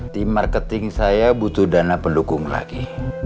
di marketing saya butuh dana pendukung lagi